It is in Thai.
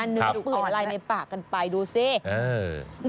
เนื้อปืนลายในปากกันไปดูสิเออ